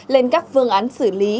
lên các phương án xử lý